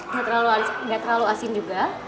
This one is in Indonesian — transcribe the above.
enggak terlalu asin juga